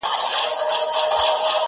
دانه دانه سومه له تاره وځم،